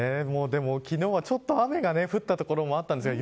でも昨日はちょっと雨が降った所もあったんですよ。